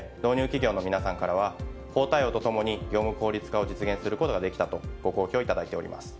企業の皆さんからは法対応とともに業務効率化を実現することができたとご好評いただいております。